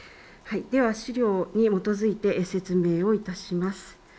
資料に基づいて説明をいたします。